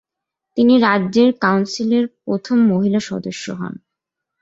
তিনি রাজ্যের কাউন্সিলের প্রথম মহিলা সদস্য হন।